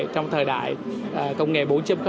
trong thời đại công nghệ bốn